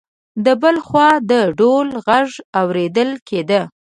له بل خوا د ډول غږ اورېدل کېده.